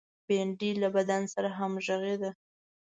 بېنډۍ له بدن سره همغږې ده